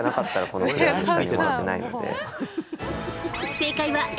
正解はＡ。